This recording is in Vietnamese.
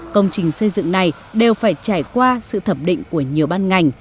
công trình xây dựng này đều phải trải qua sự thẩm định của nhiều ban ngành